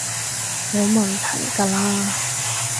冇問題㗎喇